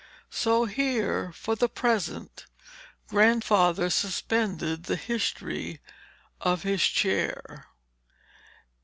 So here, for the present, Grandfather suspended the history of his chair.